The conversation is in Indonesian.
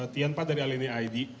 tian pak dari alini id